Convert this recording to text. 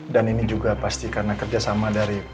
dan ini juga pasti karena kerjasama dari